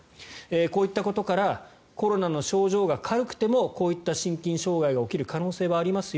こういったことからコロナの症状が軽くてもこういった心筋障害が起きる可能性はありますよ。